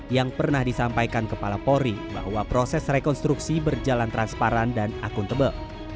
yang pernah disampaikan kepala polri bahwa proses rekonstruksi berjalan transparan dan akuntabel